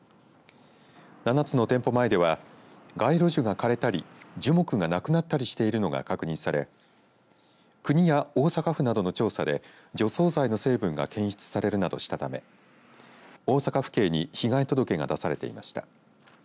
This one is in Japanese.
７つの店舗前では街路樹が枯れたり樹木がなくなったりしているのが確認され国や大阪府などの調査で除草剤の成分が検出されるなどしたため大阪府警に被害届が出されていました。